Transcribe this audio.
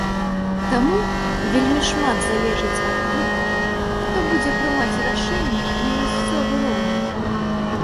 Таму вельмі шмат залежыць ад тых, хто будзе прымаць рашэнні на мясцовы роўні.